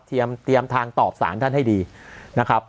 เตรียมทางตอบสารท่านให้ดีนะครับ